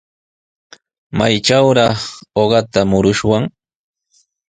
¿Maytrawraq uqata murushwan?